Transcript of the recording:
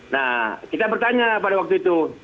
nah kita bertanya pada waktu itu